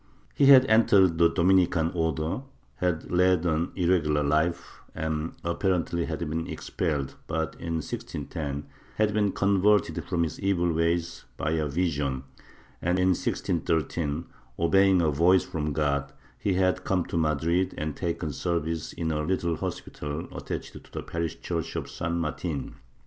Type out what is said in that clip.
He had entered the Dominican Order, had led an irregular life and apparently had been expelled but, in 1610, had been^ con verted from his evil ways by a vision and, in 1613, obeying a voice from God, he had come to Madrid and taken service in a little hospital attached to the parish church of San Martin.